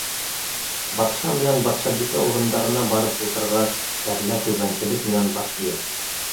Батша менән батшабикә урындарына барып ултырғас, кәрлә түбәнселек менән баш эйә.